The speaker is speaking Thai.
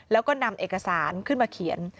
แล้วก็นำเอกสารขึ้นมาเขียน